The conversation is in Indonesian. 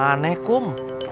kamu mah aneh kum